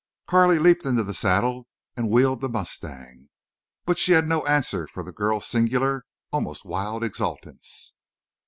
Carley leaped into the saddle and wheeled the mustang. But she had no answer for the girl's singular, almost wild exultance.